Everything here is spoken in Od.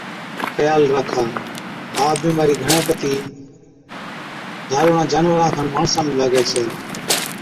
خيال راکا، ها بِيمارِي گھڻَي ڪتِي ڌاروڙان جانوَران کن ماڻسان نُون لاگَي ڇَي۔